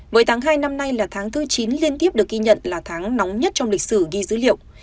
với tháng hai năm nay là tháng thứ chín liên tiếp được ghi nhận là tháng nóng nhất trong lịch sử ghi dữ liệu